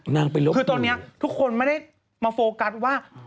นางไปลบคือตอนนี้ทุกคนไม่ได้มาโฟกัสว่า